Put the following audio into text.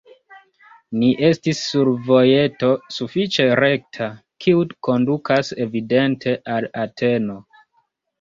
Ni estis sur vojeto sufiĉe rekta, kiu kondukas evidente al Ateno.